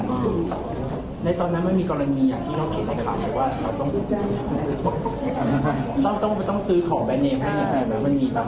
ต้องซื้อของแบนเนมให้มีไหมมันมีต่ำหรือไม่มี